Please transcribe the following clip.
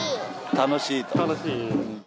楽しいと。